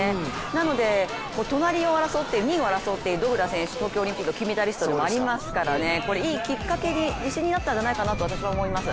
なので、２位を争っているドグラス選手、東京オリンピック金メダリストですからね、いいきっかけに、自信になったんじゃないかなと思います。